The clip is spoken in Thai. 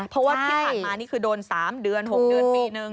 เพราะว่าที่ผ่านมานี่คือโดน๓เดือน๖เดือนปีนึง